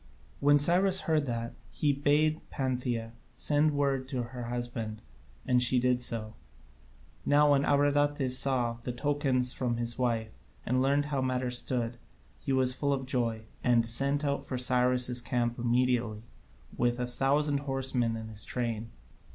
When Cyrus heard that, he bade Pantheia send word to her husband, and she did so. Now when Abradatas saw the tokens from his wife, and learnt how matters stood, he was full of joy, and set out for Cyrus' camp immediately, with a thousand horsemen in his train.